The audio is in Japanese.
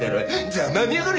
ざまあみやがれ！